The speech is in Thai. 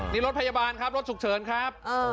นี่รถพยาบาลครับรถฉุกเฉินครับ